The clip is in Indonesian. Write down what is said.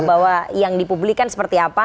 bahwa yang dipublikan seperti apa